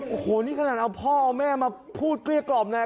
โอ้โหนี่ขนาดเอาพ่อเอาแม่มาพูดเกลี้ยกล่อมเลย